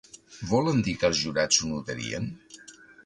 Volen dir que els jurats ho notarien?